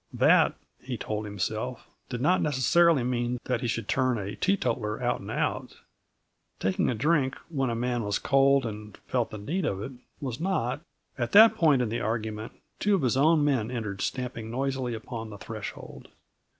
That, he told himself, did not necessarily mean that he should turn a teetotaler out and out. Taking a drink, when a man was cold and felt the need of it, was not At that point in the argument two of his own men entered, stamping noisily upon the threshold.